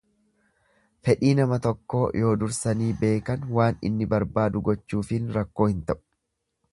Fedhii nama tokkoo yoo dursanii beekan waan inni barbaadu gochuufiin rakkoo hin ta'u.